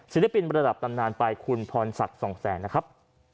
ศิลปินประดับตำนานไปคุณพรศักดิ์๒๐๐๐๐๐นะครับ